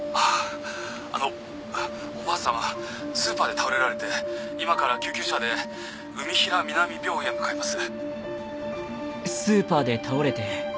「あのおばあさまスーパーで倒れられて今から救急車で海平南病院へ向かいます」